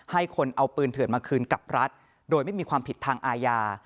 ให้คนเอาปืนเถื่อนมาคืนกับรัฐโดยไม่มีความผิดทางอาญา